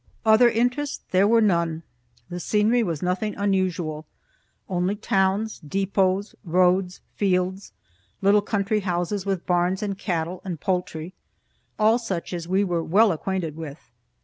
Other interests there were none. The scenery was nothing unusual, only towns, depots, roads, fields, little country houses with barns and cattle and poultry all such as we were well acquainted with.